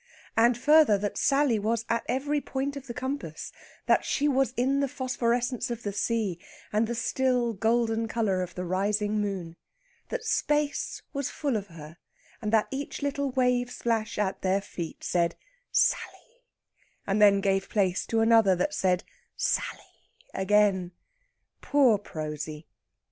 And, further, that Sally was at every point of the compass that she was in the phosphorescence of the sea, and the still golden colour of the rising moon. That space was full of her, and that each little wave splash at their feet said "Sally," and then gave place to another that said "Sally" again. Poor Prosy!